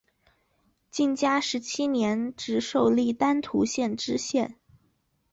嘉靖十七年授直隶丹徒县知县。